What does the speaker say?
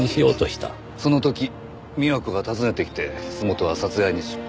その時美和子が訪ねてきて洲本は殺害に失敗。